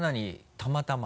たまたま？